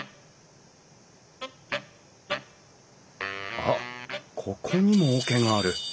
あっここにも桶がある。